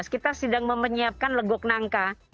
kita sedang memperbaiki lekoknangka